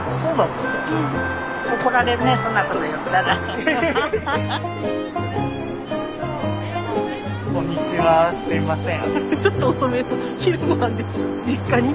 すみません。